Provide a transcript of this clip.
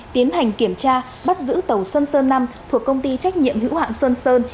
tiến hành kiểm tra bắt giữ tàu xuân sơn năm thuộc công ty trách nhiệm hữu hạn xuân sơn